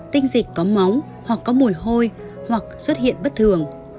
tinh dịch có máu hoặc có mùi hôi hoặc xuất hiện bất thường